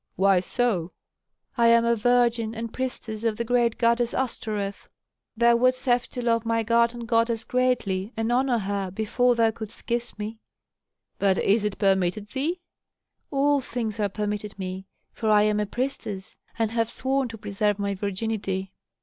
"Why so?" "I am a virgin and priestess of the great goddess Astoreth. Thou wouldst have to love my guardian goddess greatly, and honor her before thou couldst kiss me." "But is it permitted thee?" "All things are permitted me, for I am a priestess, and have sworn to preserve my virginity."